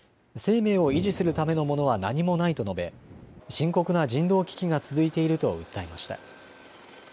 生命を維持するためのものは何もないと述べ深刻な人道危機が続いていると訴えました。